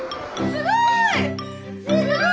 すごい！